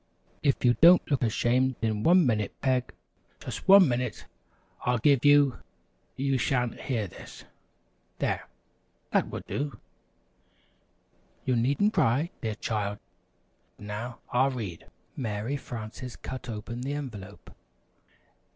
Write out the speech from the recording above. If you don't look ashamed in one minute, Peg, just one minute I'll give you, you sha'n't hear this! There, that will do! You needn't cry, dear child! Now, I'll read." Mary Frances cut open the envelope.